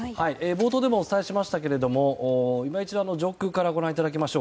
冒頭でもお伝えしましたが今一度上空からご覧いただきます。